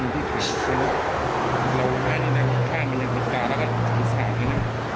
เราได้ได้แค่มันเป็นวิทยาลักษณ์แล้วกันมันแสงอย่างนั้น